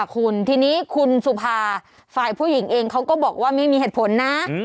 คุณทีนี้คุณสุภาฝ่ายผู้หญิงเองเขาก็บอกว่าไม่มีเหตุผลนะ